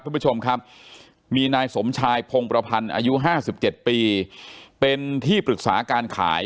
คุณผู้ชมครับมีนายสมชายพงประพันธ์อายุ๕๗ปีเป็นที่ปรึกษาการขาย